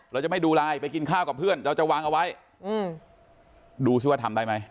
เราจะไม่ดูไลน์ไปกินข้าวกับเพื่อนเราจะวางเอาไว้ดูซิว่าทำได้ไหม